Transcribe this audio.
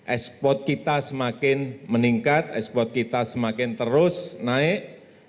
ekspor kita semakin meningkat ekspor kita semakin terus naik